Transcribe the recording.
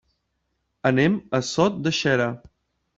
Anem a Sot de Xera.